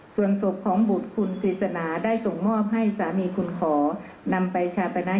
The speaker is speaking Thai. ส่วนศพของบุตรคุณกฤษณาได้ส่งมอบให้สามีคุณขอนำไปชาปณะ